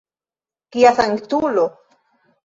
Kia sanktulo!